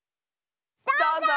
どうぞ！